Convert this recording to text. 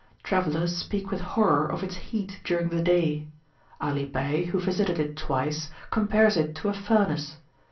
Travellers speak with horror of its heat during the day; Ali Bey, who visited it twice, compares it to a furnace.